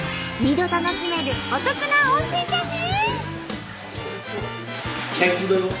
２度楽しめるお得な温泉じゃね！